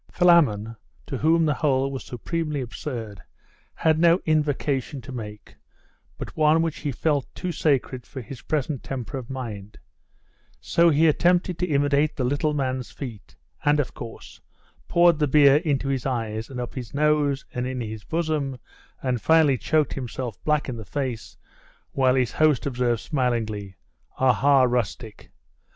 Philammon, to whom the whole was supremely absurd, had no invocation to make, but one which he felt too sacred for his present temper of mind: so he attempted to imitate the little man's feat, and, of course, poured the beer into his eyes, and up his nose, and in his bosom, and finally choked himself black in the face, while his host observed smilingly 'Aha, rustic!